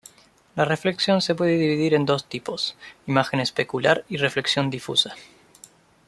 La reflexión se puede dividir en dos tipos: imagen especular y reflexión difusa.